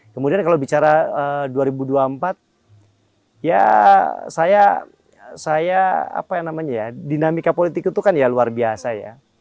kemudian kalau bicara dua ribu dua puluh empat ya saya apa namanya ya dinamika politik itu kan ya luar biasa ya